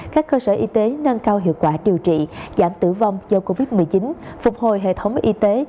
các cơ sở y tế nâng cao hiệu quả điều trị giảm tử vong do covid một mươi chín phục hồi hệ thống y tế